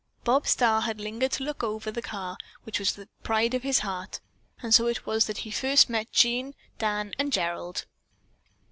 Bob Starr had lingered to look over the car, which was the pride of his heart, and so it was that he first met Jean, Dan and Gerald.